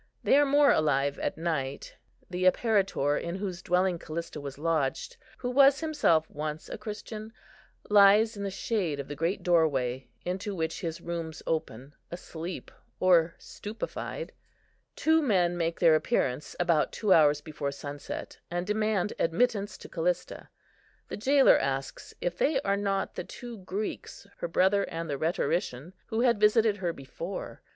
They are more alive at night. The apparitor, in whose dwelling Callista was lodged, who was himself once a Christian, lies in the shade of the great doorway, into which his rooms open, asleep, or stupefied. Two men make their appearance about two hours before sunset, and demand admittance to Callista. The jailor asks if they are not the two Greeks, her brother and the rhetorician, who had visited her before.